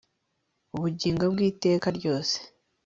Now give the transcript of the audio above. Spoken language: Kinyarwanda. ubugingo bw'iteka ryose